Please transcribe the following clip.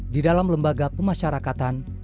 di dalam lembaga pemasyarakatan